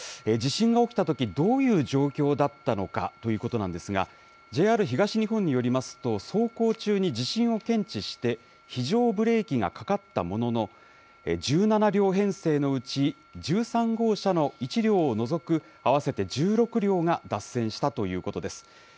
地震が起きたときどういう状況だったのかということなんですが、ＪＲ東日本によりますと走行中に地震を検知して非常ブレーキがかかったものの１７両編成のうち１３号車の１両を除く合わせて１６両が脱線したということです。